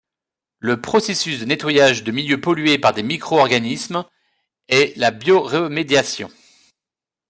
Le processus de nettoyage de milieux pollués par des micro-organismes est la bioremédiation.